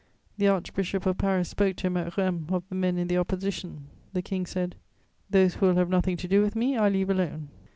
The Archbishop of Paris spoke to him at Rheims of the men in the Opposition; the King said: "Those who will have nothing to do with me, I leave alone."